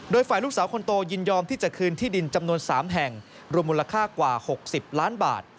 โดยฝ่ายลูกสาวคนโตยินยอมที่จะคืนที่ดินจำนวน๓แห่งรวมมูลค่ากว่า๖๐ล้านบาท